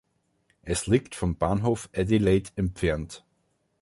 Es liegt vom Bahnhof Adelaide entfernt.